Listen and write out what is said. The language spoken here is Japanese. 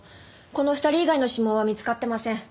この２人以外の指紋は見つかってません。